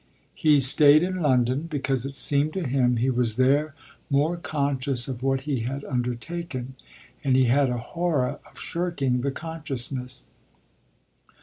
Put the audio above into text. He stayed in London because it seemed to him he was there more conscious of what he had undertaken, and he had a horror of shirking the consciousness.